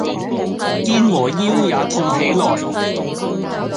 肩和腰也痛起來